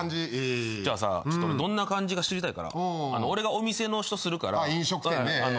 じゃあさどんな感じか知りたいから俺がお店の人するから調査員して。